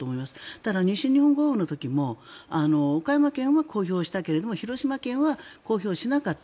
ただ、西日本豪雨の時も岡山県は公表したけれども広島県は公表しなかった。